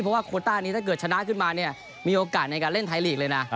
เพราะว่าโคต้านี้ถ้าเกิดชนะขึ้นมาเนี่ยมีโอกาสในการเล่นไทยลีกเลยนะ